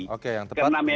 oke yang tepat gimana bang